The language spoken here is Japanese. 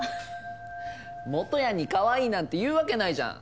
もとやんにかわいいなんて言うわけないじゃん。